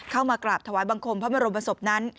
เข้ามากราบถวายบังคมพระบรมศพนั้น